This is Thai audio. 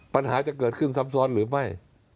ปัญหาจะเกิดขึ้นซ้ำซ้อนหรือไม่